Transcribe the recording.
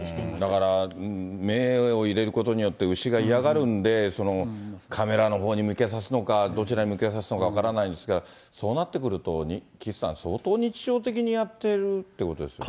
だから目を入れることによって、牛が嫌がるんで、カメラのほうに向けさすのか、どちらに向けさすのか分からないんですが、そうなってくると、岸さん、相当日常的にやっているということですよね。